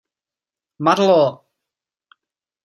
Marlo!